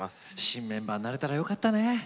新メンバーになれたらよかったね。